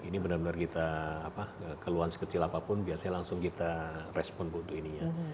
ini benar benar kita keluhan sekecil apapun biasanya langsung kita respon bu untuk ininya